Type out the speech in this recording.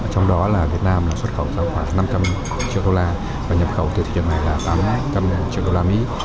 trong đó là việt nam xuất khẩu ra khoảng năm trăm linh triệu đô la và nhập khẩu tới thị trường này là tám trăm linh triệu đô la mỹ